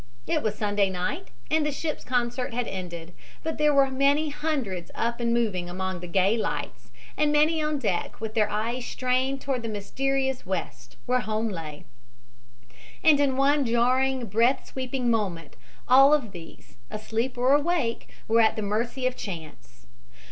It was Sunday night and the ship's concert had ended, but there were many hundreds up and moving among the gay lights, and many on deck with their eyes strained toward the mysterious west, where home lay. And in one jarring, breath sweeping moment all of these, asleep or awake, were at the mercy of chance.